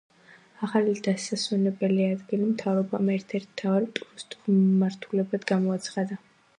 ახალი დასასვენებელი ადგილი მთავრობამ ერთ-ერთ მთავარ ტურისტულ მიმართულებად გამოაცხადა.